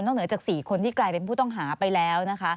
ต้องเหนือจากสี่คนที่กลายเป็นผู้ต้องหาไปแล้ว